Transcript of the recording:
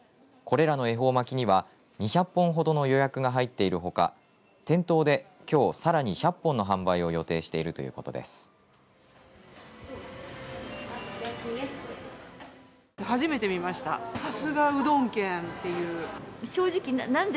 これらの恵方巻きには２００本ほどの予約が入っているほか店頭で、きょうさらに１００本の販売を予定しているということです。